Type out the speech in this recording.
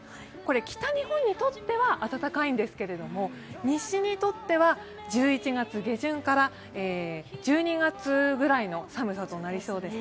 北日本にとっては暖かいんですけれども、西にとっては１１月下旬から１２月ぐらいの寒さとなりそうです。